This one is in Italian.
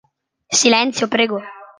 Silenzio, prego!